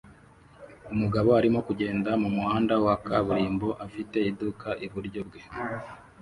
Umugabo arimo kugenda mumuhanda wa kaburimbo afite iduka iburyo bwe